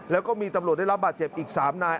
แล้วก็มีตำรวจได้รับบาดเจ็บอีก๓นาย